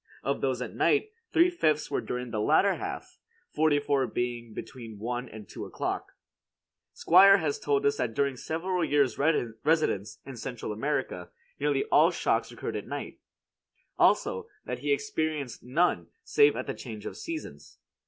Of those at night, three fifths were during the latter half, forty four being between one and two o'clock. Squier has told us that during several years residence in Central America, nearly all shocks occurred at night; also, that he experienced none save at the change of seasons.